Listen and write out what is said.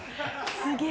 すげえ！